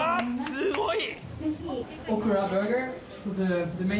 すごい！